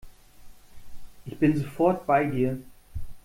Ich bin sofort bei dir.